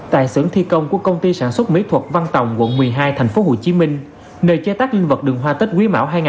tại xưởng thi công của công ty sản xuất mỹ thuật văn tòng quận một mươi hai thành phố hồ chí minh nơi chế tác linh vật đường hoa tết quý mão hai nghìn hai mươi